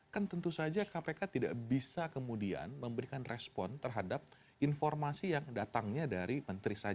kan tentu saja kpk tidak bisa kemudian memberikan respon terhadap informasi yang datangnya dari menteri